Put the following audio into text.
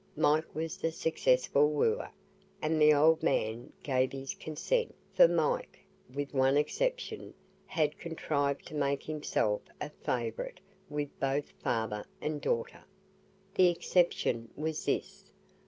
Mike was the successful wooer, and the old man gave his consent; for Mike, with one exception, had contrived to make himself a favourite with both father and daughter. The exception was this.